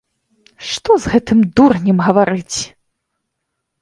Што з гэтым дурнем гаварыць!